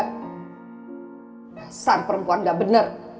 kesan perempuan gak bener